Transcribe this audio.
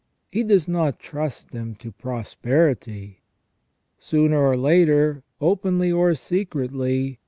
He does not trust them to prosperity. Sooner or later, openly or secretly.